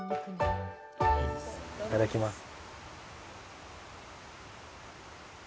いただきます。